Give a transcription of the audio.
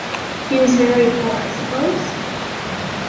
He was very poor, I suppose?